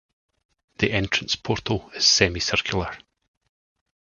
The entrance portal is semicircular.